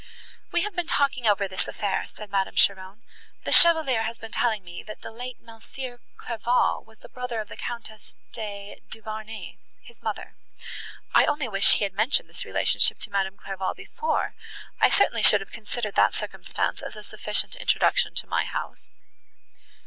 "We have been talking over this affair," said Madame Cheron, "the chevalier has been telling me, that the late Monsieur Clairval was the brother of the Countess de Duvarney, his mother. I only wish he had mentioned his relationship to Madame Clairval before; I certainly should have considered that circumstance as a sufficient introduction to my house."